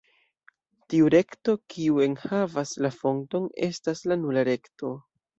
Tiu rekto kiu enhavas la fonton estas la "nula" rekto.